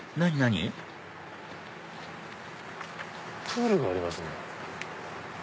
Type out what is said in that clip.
プールがありますね。